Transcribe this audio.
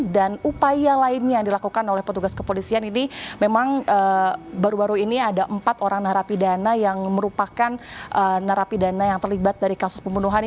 dan upaya lainnya yang dilakukan oleh petugas kepolisian ini memang baru baru ini ada empat orang narapidana yang merupakan narapidana yang terlibat dari kasus pembunuhan ini